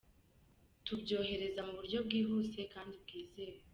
Tubyohereza mu buryo bwihuse kandi bwizewe.